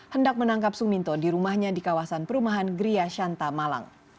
hendak menangkap suminto di rumahnya di kawasan perumahan gria shanta malang